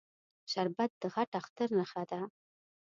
شربت د غټ اختر نښه ده